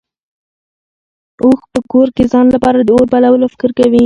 اوښ په کور کې ځان لپاره د اور بلولو فکر کوي.